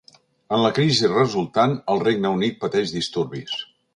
En la crisi resultant, el Regne Unit pateix disturbis.